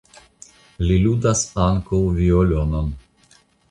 Li ludas ankaŭ violonon.